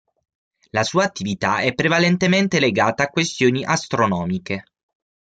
La sua attività è prevalentemente legata a questioni astronomiche.